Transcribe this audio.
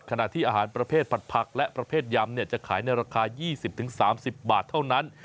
ขณะที่อาหารประเภทผัดผักและประเภทยำจะขายในราคา๒๐๓๐บาทเท่านั้น